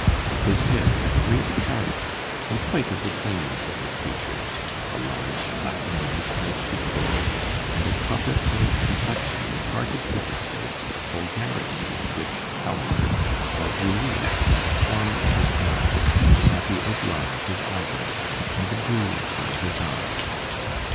His head had great character, in spite of the plainness of his features; a large flat nose, high cheek bones, and a copper colored complexion imparted to his face a vulgarity which, however, was relieved by the form of his mouth, the haughty outline of his eyebrows, and the brilliancy of his eyes.